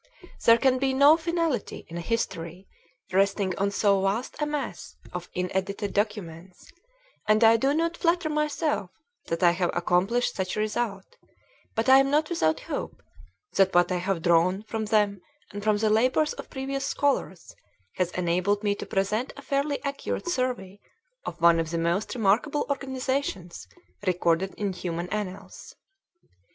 There can be no finality in a history resting on so vast a mass of inedited documents and I do not flatter myself that I have accomplished such a result, but I am not without hope that what I have drawn from them and from the labors of previous scholars has enabled me to present a fairly accurate survey of one of the most remarkable organizations recorded in human annals.